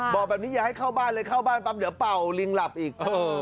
บอกแบบนี้อย่าให้เข้าบ้านเลยเข้าบ้านปั๊บเดี๋ยวเป่าลิงหลับอีก